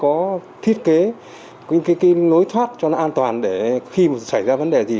có thiết kế cái nối thoát cho nó an toàn để khi mà xảy ra vấn đề gì